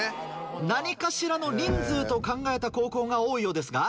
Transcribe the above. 何かしらの人数と考えた高校が多いようですが。